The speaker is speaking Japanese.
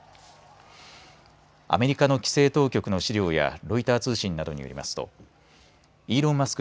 アメリカの規制当局の資料やロイター通信などによりますとイーロン・マスク